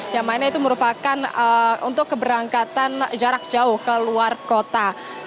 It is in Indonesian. yang mana itu merupakan untuk keberangkatan jarak jauh ke luar kota